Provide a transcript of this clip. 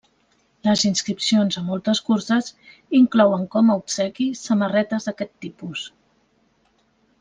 Les inscripcions a moltes curses inclouen com a obsequi samarretes d'aquest tipus.